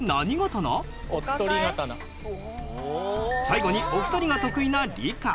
最後にお二人が得意な理科。